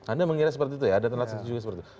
anda mengira seperti itu ya ada transaksi juga seperti itu